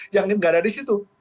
yang tidak ada di situ